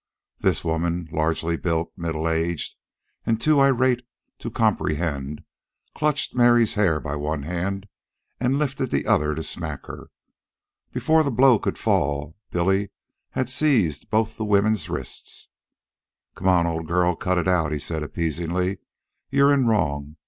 This woman, largely built, middle aged, and too irate to comprehend, clutched Mary's hair by one hand and lifted the other to smack her. Before the blow could fall, Billy had seized both the woman's wrists. "Come on, old girl, cut it out," he said appeasingly. "You're in wrong.